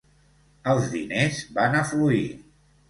Els diners van afluir.